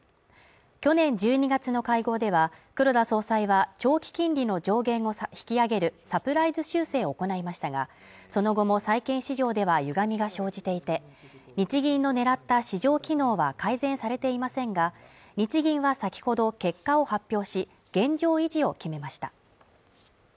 去年１２月の会合では、黒田総裁は、長期金利の上限を引き上げるサプライズ修正を行いましたが、その後も債券市場では歪みが生じていて日銀の狙った市場機能は改善されていませんが日銀は先ほど結果を発表し、現状維持を決めました。